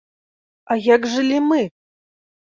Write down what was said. А як жылі мы?